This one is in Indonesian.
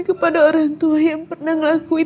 kepada orang tua yang pernah ngelakuin